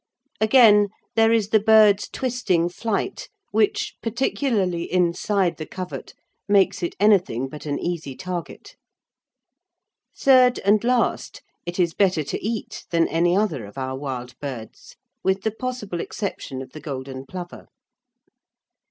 Again, there is the bird's twisting flight, which, particularly inside the covert, makes it anything but an easy target. Third and last, it is better to eat than any other of our wild birds, with the possible exception of the golden plover.